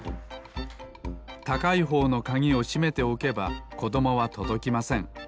たかいほうのかぎをしめておけばこどもはとどきません。